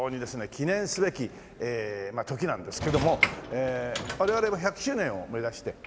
記念すべき時なんですけども我々も１００周年を目指してはい。